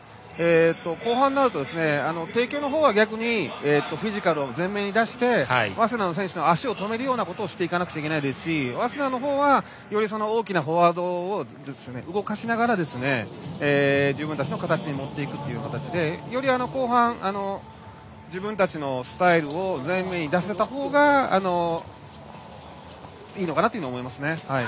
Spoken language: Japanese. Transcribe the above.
後半になると帝京の方は逆にフィジカルを前面に出して早稲田の選手の足を止めるようなことをしていかないといけないですし早稲田は大きなフォワードを動かしながら、自分たちの形に持っていくという形でより後半、自分たちのスタイルを前面に出せた方がいいのかなと思います。